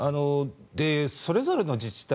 それぞれの自治体